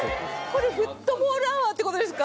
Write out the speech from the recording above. これフットボールアワーってことですか？